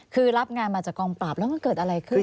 คือรับงานมาจากกองปราบแล้วมันเกิดอะไรขึ้น